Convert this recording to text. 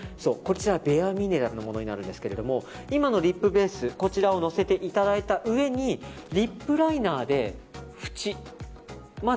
ベアミネラルのものなんですが今のリップベースをのせていただいた上にリップライナーで、ふち。